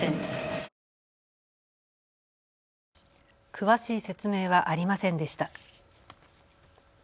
詳しい説明はありませんでした。